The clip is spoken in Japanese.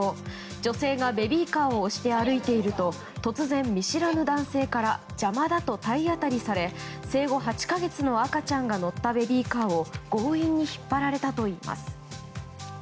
女性が、ベビーカーを押して歩いていると突然、見知らぬ男性から邪魔だと体当たりされ生後８か月の赤ちゃんが乗ったベビーカーを強引に引っ張られたといいます。